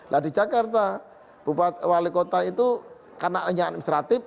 nah di jakarta wali kota itu karena hanya administratif